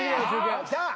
きた。